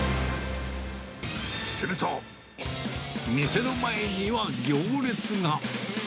すると、店の前には行列が。